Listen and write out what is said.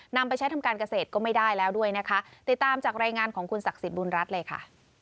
นำไปใช้ทำการเกษตรก็ไม่ได้แล้วด้วยนะคะติดตามจากรายงานของคุณศักดิ์สิทธิบุญรัฐเลยค่ะ